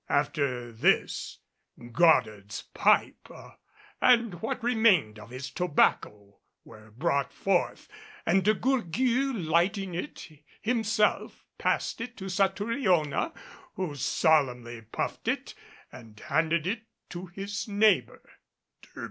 After this Goddard's pipe and what remained of his tobacco was brought forth, and De Gourgues, lighting it, himself passed it to Satouriona, who solemnly puffed it and handed it to his neighbor.